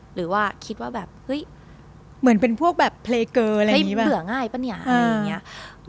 หรือว่าคิดว่าแบบเฮ้ยเหมือนเป็นพวกแบบอะไรอย่างงี้แบบเบื่อง่ายปะเนี่ยอ่าอะไรอย่างเงี้ย